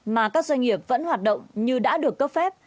mà các doanh nghiệp vẫn hoạt động như đã được cấp phép